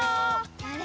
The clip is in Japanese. あれ？